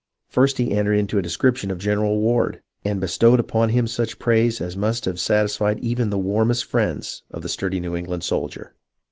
First he entered into a description of General Ward, and bestowed upon him such praise as must have satisfied even the warmest friends of the sturdy New Eng land soldier.